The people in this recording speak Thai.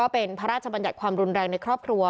เป็นพระราชบัญญัติความรุนแรงในครอบครัว